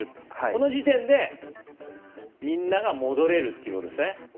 この時点で、みんなが戻れるっていうことですね。